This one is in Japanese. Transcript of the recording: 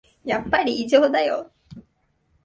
やっぱり異常だよ